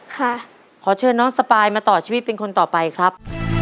ขอเชิญน้องสปายมาต่อชีวิตเป็นคนต่อไปครับ